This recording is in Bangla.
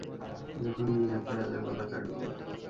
যখন নিজ হাতে রাজার গলা কাটবো।